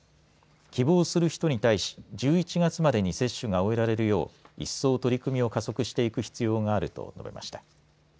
希望する人に対し１１月までに接種が終えられるよう一層取り組みを加速していく必要があると述べました。